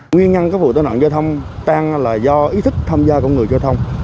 nguyên nhân của vụ tài nạn giao thông tăng là do ý thức tham gia công người giao thông